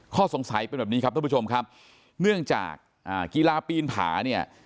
ข้อสงสัยเป็นแบบนี้ครับท่านผู้ชมครับเนื่องจากอ่ากีฬาปีนผาเนี่ย